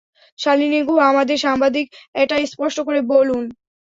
শালিনী গুহ আমাদের সাংবাদিক এটা স্পষ্ট করে বলুন।